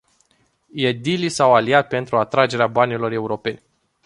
Edilii s-au aliat pentru atragerea banilor europeni.